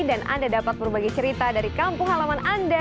dan anda dapat berbagi cerita dari kampung halaman anda